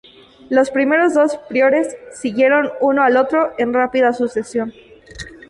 Los primeros dos priores siguieron uno al otro en rápida sucesión.